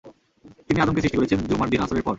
তিনি আদমকে সৃষ্টি করেছেন জুমআর দিন আসরের পর।